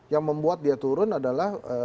yang membuat dia turun adalah